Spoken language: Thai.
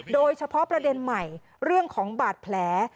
โดยเฉพาะประเด็นใหม่เรื่องของบาดแผล